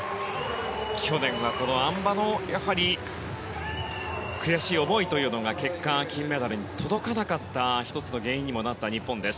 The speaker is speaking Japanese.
去年はあん馬の悔しい思いというのが結果、金メダルに届かなかった１つの原因になった日本。